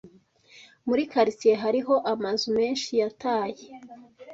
Muri quartier hariho amazu menshi yataye.